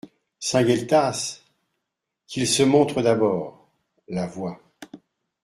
Saint-Gueltas ? Qu'il se montre d'abord ! LA VOIX.